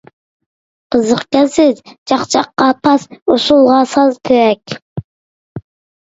-قىزىقكەنسىز، چاقچاققا پاس، ئۇسسۇلغا ساز كېرەك.